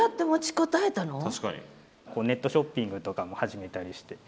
ネットショッピングとかも始めたりして。